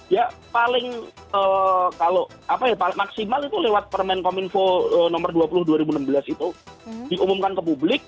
ya paling kalau apa ya maksimal itu lewat permen kominfo nomor dua puluh dua ribu enam belas itu diumumkan ke publik